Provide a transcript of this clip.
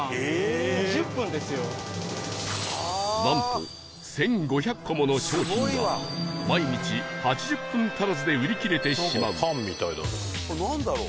なんと１５００個もの商品が毎日８０分足らずで売り切れてしまう